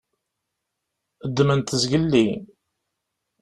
Ddmen-t zgelli.